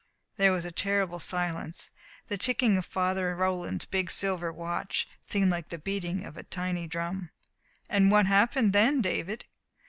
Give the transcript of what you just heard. There was a terrible silence. The ticking of Father Roland's big silver watch seemed like the beating of a tiny drum. "And what happened then, David?"